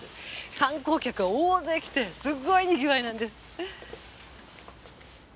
観光客が大勢来てすごい賑わいなんです。